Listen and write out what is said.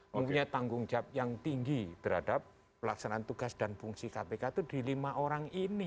mempunyai tanggung jawab yang tinggi terhadap pelaksanaan tugas dan fungsi kpk itu di lima orang ini